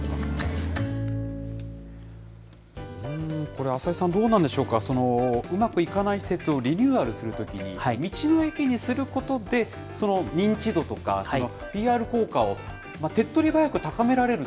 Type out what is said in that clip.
これ浅井さん、どうなんでしょうか、うまくいかない施設をリニューアルするときに、道の駅にすることで、認知度とか、ＰＲ効果を手っとり早く高められる？